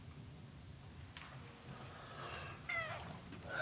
あ？